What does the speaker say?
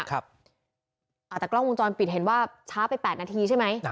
แต่กล้องวงจรปิดเห็นว่าช้าไป๘นาทีใช่ไหม